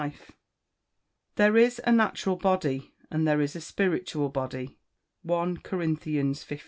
[Verse: "There is a natural body, and there is a spiritual body." I CORINTHIANS XV.